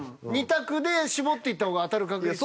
２択で絞っていった方が当たる確率。